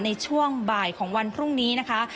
ในช่วงบ่ายของวันพรุ่งนี้นะคะ